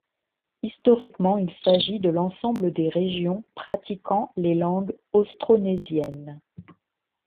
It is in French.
Historiquement il s'agit de l'ensemble des régions pratiquant les langues austronésiennes.